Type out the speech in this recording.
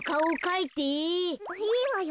いいわよ。